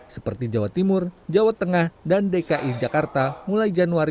seperti jawa timur jawa tengah dan dki jakarta mulai januari dua ribu dua puluh tiga